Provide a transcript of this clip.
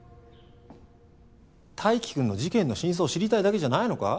泰生君の事件の真相知りたいだけじゃないのか？